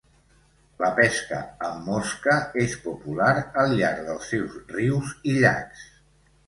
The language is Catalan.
La pesca amb mosca és popular al llarg dels seus rius i llacs.